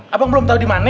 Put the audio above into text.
abang belum tau dimane